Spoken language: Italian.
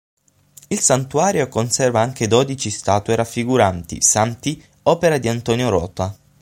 Il santuario conserva anche dodici statue raffiguranti santi opera di Antonio Rota.